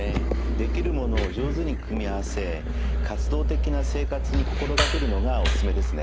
できるものを上手に組み合わせ活動的な生活に心がけるのがおすすめですね。